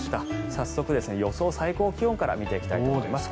早速、予想最高気温から見ていきたいと思います。